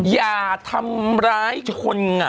อย่าทำร้ายคนเหงา